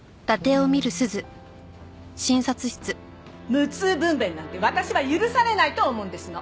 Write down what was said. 無痛分娩なんて私は許されないと思うんですの。